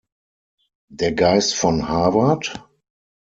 Der Geist von Harvard?